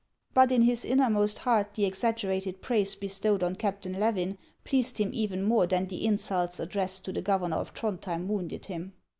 But in his innermost heart the exaggerated praise bestowed on Captain Levin pleased him even more than the insults addressed to the governor of Throudhjem wounded him.